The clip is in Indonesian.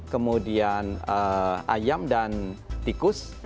kemudian ayam dan tikus